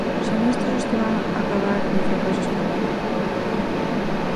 Son estes os que van acabar do fracaso escolar?